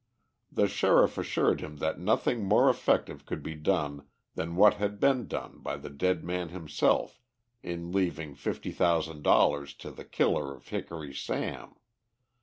The Sheriff assured him that nothing more effective could be done than what had been done by the dead man himself in leaving fifty thousand dollars to the killer of Hickory Sam.